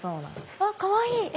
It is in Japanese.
あっかわいい！